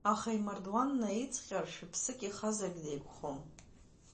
Аха имардуан наиҵҟьар, шә-ԥсык ихазаргь деиқәхом.